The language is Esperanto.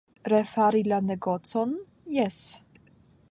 Refari la negocon, jes.